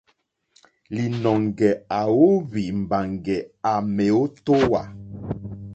Lìnɔ̀ŋɡɛ̀ à óhwì mbàŋɡɛ̀ à mèótówà.